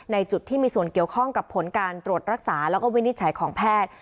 จุดที่มีส่วนเกี่ยวข้องกับผลการตรวจรักษาแล้วก็วินิจฉัยของแพทย์